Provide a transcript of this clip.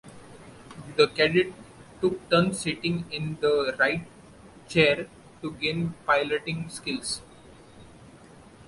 The cadets took turns sitting in the right chair to gain piloting skills.